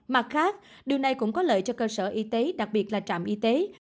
mặt khác điều này cũng có lợi cho cơ sở y tế đặc biệt là trạm y tế